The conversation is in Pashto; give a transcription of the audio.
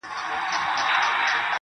د شېرزادو نجونه بازې د سپین غره دي